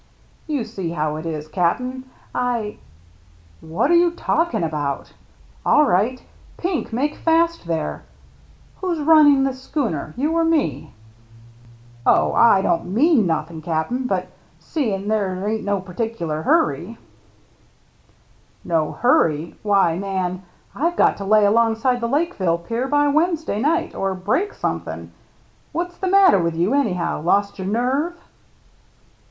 " You see how it is, Cap'n, I —"" What are you talking about ? All right. Pink, make fast there ! Who's running this schooner, you or me ?" "Oh, I don't mean nothin', Cap'n; but seein' there ain't no particular hurry —" DICK AND HIS MERRT ANNE 25 " No hurry ! Why, man, I've got to lay alongside the Lakeville pier by Wednesday night, or break something. What's the matter with you, anyhow ? Lost your nerve